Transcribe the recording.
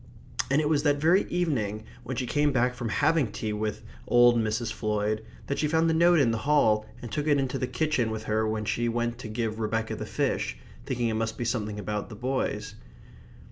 And it was that very evening when she came back from having tea with old Mrs. Floyd that she found the note in the hall and took it into the kitchen with her when she went to give Rebecca the fish, thinking it must be something about the boys.